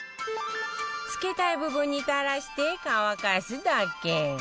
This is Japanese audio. つけたい部分に垂らして乾かすだけ